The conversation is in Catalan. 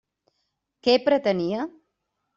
Què pretenia?